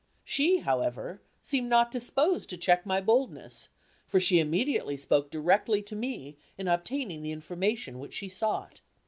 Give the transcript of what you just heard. She, however, seemed not disposed to check my boldness, for she immediately spoke directly to me in obtaining the information which she sought.